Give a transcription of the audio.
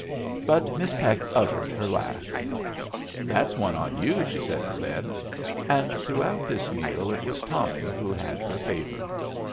But Miss Peck uttered her laugh. "That's one on you," she told Lin. And throughout this meal it was Tommy who had her favor.